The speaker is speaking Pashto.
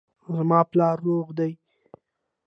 زما پلار روغ ده